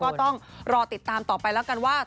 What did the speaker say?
ก็ต้องรอติดตามต่อไปแล้วกันว่า